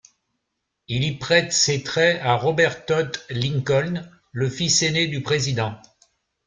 Il y prête ses traits à Robert Todd Lincoln, le fils aîné du président.